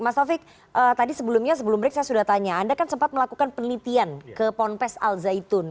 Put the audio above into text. mas taufik tadi sebelumnya sebelum break saya sudah tanya anda kan sempat melakukan penelitian ke ponpes al zaitun